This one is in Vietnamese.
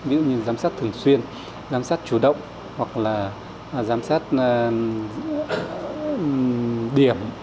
ví dụ như giám sát thường xuyên giám sát chủ động hoặc là giám sát điểm